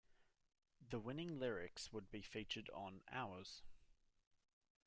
The winning lyrics would be featured on "Hours".